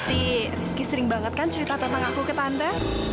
berarti rizky sering banget kan cerita tentang aku ke panda